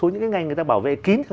những cái ngành người ta bảo vệ kín